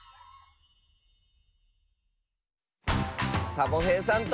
サボへいさんと。